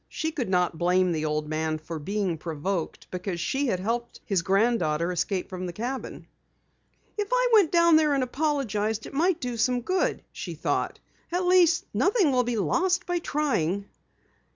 She could not blame the old man for being provoked because she had helped his granddaughter escape from the cabin. "If I went down there and apologized it might do some good," she thought. "At least, nothing will be lost by trying."